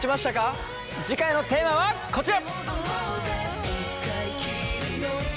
次回のテーマはこちら。